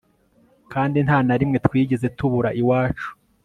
kandi nta na rimwe twigeze tubura iwacu